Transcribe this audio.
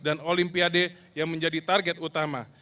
dan olimpiade yang menjadi target utama